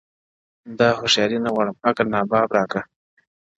دا هوښیاري نه غواړم ـ عقل ناباب راکه ـ